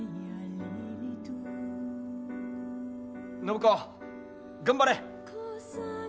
暢子頑張れ！